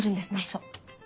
そう。